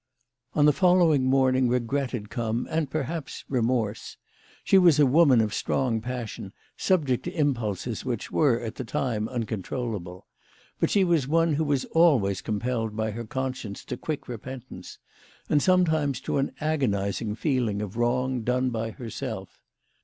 On the following morning regret had come, and perhaps remorse. She was a woman of strong passion, subject to impulses which were, at the time, uncon trollable ; but she was one who was always compelled by her conscience to quick repentance, and sometimes to an agonising feeling of wrong done by herself.